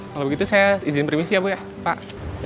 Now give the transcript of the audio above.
kalau begitu saya izin perimisi ya bu ya pak